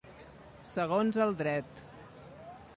Segons el dret.